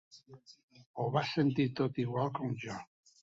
Ho va sentir tot igual com jo.